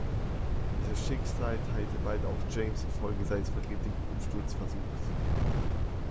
Dieses Schicksal teilte bald auch James, infolge seines vergeblichen Umsturzversuchs.